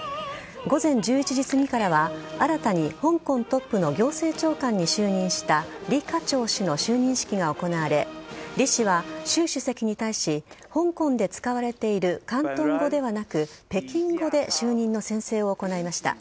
午前１１時すぎからは新たに香港トップの行政長官に就任した李家超氏の就任式が行われ李氏は習主席に対し香港で使われている広東語ではなく北京語で就任の宣誓を行いました。